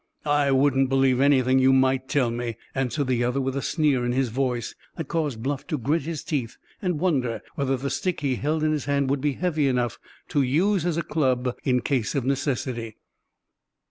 "I wouldn't believe anything you might tell me," answered the other, with a sneer in his voice that caused Bluff to grit his teeth and wonder whether the stick he held in his hand would be heavy enough to use as a club, in case of necessity.